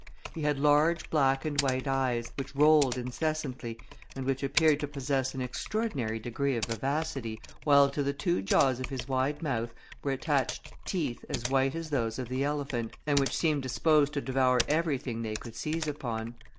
He had large black and white eyes, which rolled incessantly, and which appeared to possess an extraordinary degree of vivacity, while to the two jaws of his wide mouth were attached teeth, as white as those of the elephant, and which seemed disposed to devour everything they could seize upon.